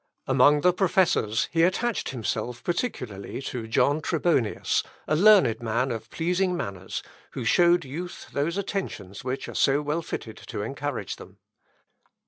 Among the professors, he attached himself particularly to John Trebonius, a learned man of pleasing manners, who showed youth those attentions which are so well fitted to encourage them.